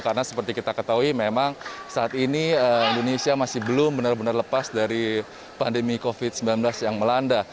karena seperti kita ketahui memang saat ini indonesia masih belum benar benar lepas dari pandemi covid sembilan belas yang melanda